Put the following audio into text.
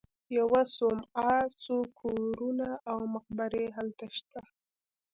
یوه صومعه، څو کورونه او مقبرې هلته شته.